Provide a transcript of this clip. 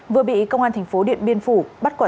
vừa bị công an thành phố điện biên phủ bắt quản lý